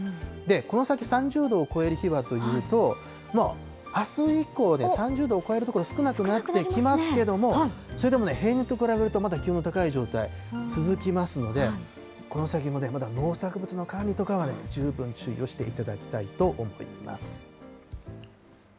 この先３０度を超える日はというと、あす以降で３０度を超える所少なくなってきますけれども、それでも平年と比べると、まだ気温の高い状態続きますので、この先もまだ農作物の管理とかは十分注意をしていただきたいと思います。